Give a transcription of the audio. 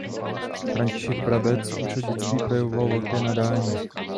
František Brabec už od dětství projevoval velké nadání.